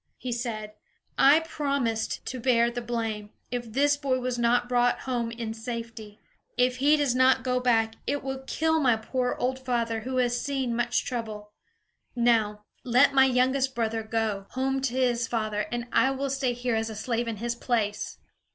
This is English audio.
He said: "I promised to bear the blame, if this boy was not brought home in safety. If he does not go back it will kill my poor old father, who has seen much trouble. Now let my youngest brother go home to his father, and I will stay here as a slave in his place!"